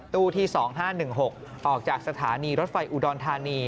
ตู้ที่๒๕๑๖ออกจากสถานีรถไฟอุดรธานี